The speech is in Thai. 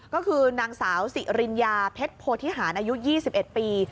ก็คือนางสาวสิริญญาเพชรโพธิหารอายุ๒๑ปี